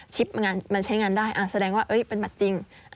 มันใช้งานได้แสดงว่าเป็นบัตรจริง